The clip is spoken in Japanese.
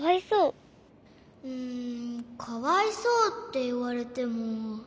うんかわいそうっていわれても。